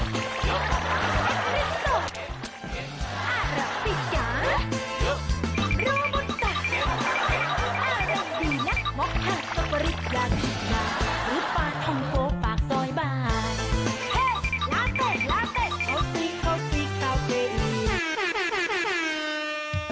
เขาจริงเขาจริงเขาจริง